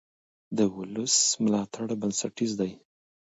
د ولس ملاتړ بنسټیز دی